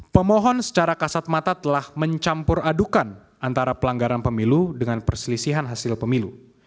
pemohon secara kasat mata telah mencampur adukan antara pelanggaran pemilu dengan perselisihan hasil pemilu